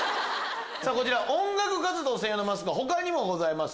さぁ音楽活動専用のマスクは他にもございます。